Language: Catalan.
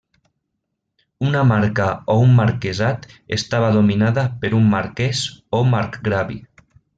Una marca o un marquesat estava dominada per un marquès o marcgravi.